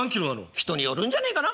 人によるんじゃねえかな？